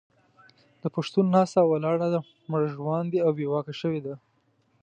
د پښتون ناسته او ولاړه مړژواندې او بې واکه شوې ده.